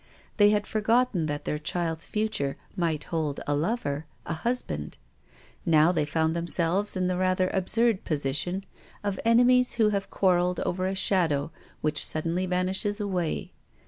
They had forgotten that their child's future might hold a lover, a husband. Now they found themselves in the rather absurd position of enemies who have quarrelled over a shadow which suddenly vanishes away.